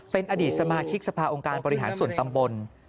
เป็นอดีตสมาชิกสภาองค์การบริหารส่วนตำบล